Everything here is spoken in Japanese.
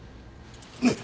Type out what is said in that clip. ねえ。